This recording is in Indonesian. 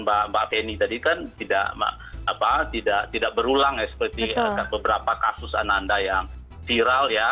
mbak penny tadi kan tidak berulang ya seperti beberapa kasus anda anda yang viral ya